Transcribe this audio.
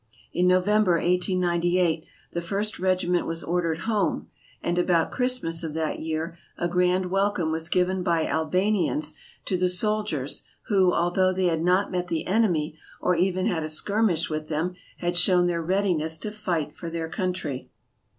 In November, 1898, the First Regiment was ordered home and about Christmas of that year a grand welcome was given by Albanians to the soldiers who, although they had not met the enemy or even had a skirmish with them, had shown their readiness to fight for their country.